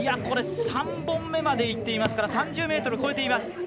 ３本目までいっていますから３０ｍ超えています。